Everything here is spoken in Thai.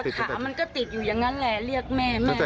ติดเตียงได้ยินเสียงลูกสาวต้องโทรศัพท์ไปหาคนมาช่วย